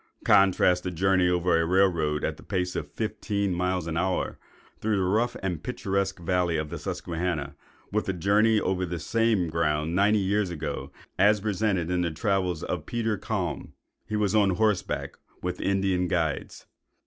Contrast the journey over a rail road at a pace of fifteen miles in the hour, through the rough, the picturesque valley of the Susquehanna, with a journey over the same ground ninety years ago, as presented in the travels of Peter Kalm. He was on horseback, with Indian guides.